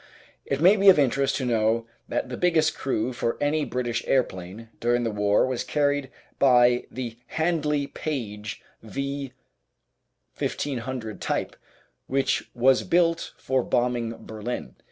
It may be of interest to know that the biggest crew for any British aeroplane during the war was carried by the Handley Page V 1500 type, which was built for bombing Berlin.